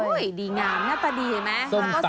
ดีงามหน้าตาดีเห็นไหม